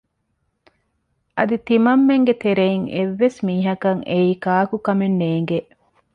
އަދި ތިމަންމެންގެ ތެރެއިން އެއްވެސް މީހަކަށް އެއީ ކާކު ކަމެއް ނޭނގޭ